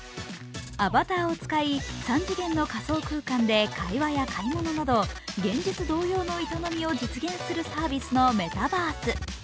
アバターを使い三次元の仮想空間で会話や買い物など現実同様の営みを実現するサービスのメタバース。